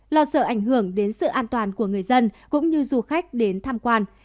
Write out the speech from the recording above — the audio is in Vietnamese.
lo sợ ảnh hưởng đến sự an toàn của người dân cũng như du khách đến tham quan